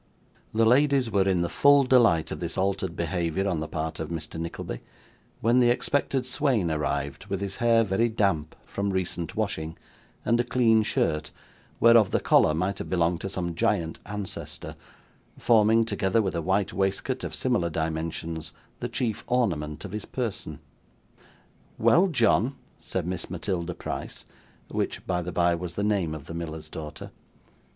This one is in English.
The ladies were in the full delight of this altered behaviour on the part of Mr. Nickleby, when the expected swain arrived, with his hair very damp from recent washing, and a clean shirt, whereof the collar might have belonged to some giant ancestor, forming, together with a white waistcoat of similar dimensions, the chief ornament of his person. 'Well, John,' said Miss Matilda Price (which, by the bye, was the name of the miller's daughter).